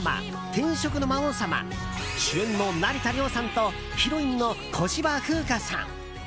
「転職の魔王様」主演の成田凌さんとヒロインの小芝風花さん。